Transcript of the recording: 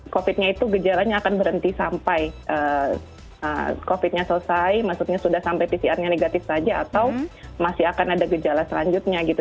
covid nya itu gejalanya akan berhenti sampai covid nya selesai maksudnya sudah sampai pcr nya negatif saja atau masih akan ada gejala selanjutnya gitu